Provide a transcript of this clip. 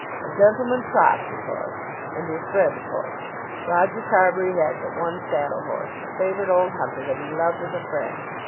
A gentleman trots his horse, and his friend's horse. Roger Carbury had but one saddle horse, a favourite old hunter that he loved as a friend.